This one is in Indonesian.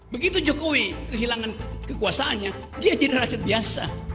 begitu jokowi kehilangan kekuasaannya dia jadi rakyat biasa